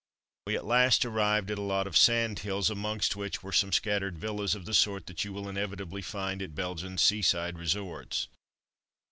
We at last arrived at a lot of sand hills, amongst which were some scattered villas of the sort that you will inevitably find at Belgian seaside resorts.